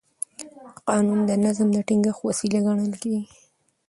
قانون د نظم د ټینګښت وسیله ګڼل کېږي.